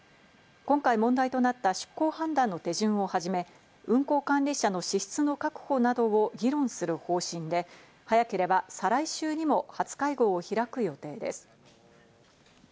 今回問題となった出航判断の手順をはじめ運航管理者の資質の確保などを議論する方針で、早ければ再来週にも初会合を開く予定です。